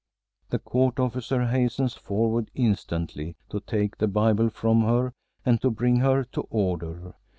The court officer hastens forward instantly to take the Bible from her and to bring her to order.